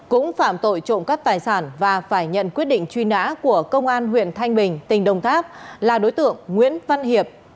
cũng phạm tội trộm cắp tài sản và phải nhận quyết định truy nã của công an huyện thanh bình tỉnh đồng tháp là đối tượng nguyễn văn hiệp